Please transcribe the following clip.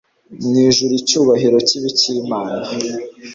Mu ijuru icyubahiro kibe icy'Imana,